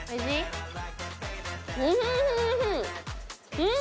うん！